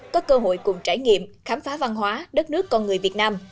có cơ hội cùng trải nghiệm khám phá văn hóa đất nước con người việt nam